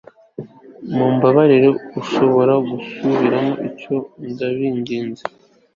Mumbabarire ushobora gusubiramo ibyo ndabinginze